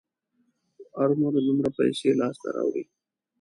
ارومرو دومره پیسې لاسته راوړي.